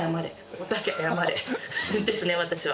ですね私は。